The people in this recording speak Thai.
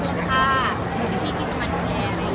ช่องความหล่อของพี่ต้องการอันนี้นะครับ